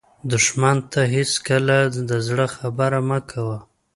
دښمن ته هېڅکله د زړه خبره مه کوه